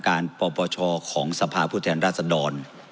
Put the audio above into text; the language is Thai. การปกติปปพอชอของสภาพประเทศรัสดร